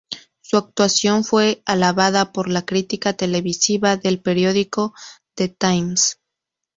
Su actuación fue alabada por la crítica televisiva del periódico "The Times".